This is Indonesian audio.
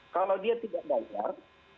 kalau dia tidak bayar